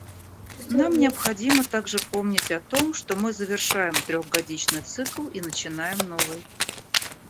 Нам необходимо также помнить о том, что мы завершаем трехгодичный цикл и начинаем новый.